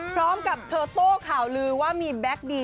พร้อมกับเธอโต้ข่าวลือว่ามีแบ็คดี